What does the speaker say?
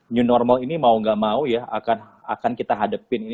new normal ini mau gak mau ya akan kita hadapin